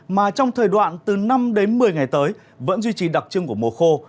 mà trong thời đoạn từ năm đến một mươi ngày tới vẫn duy trì đặc trưng của mùa khô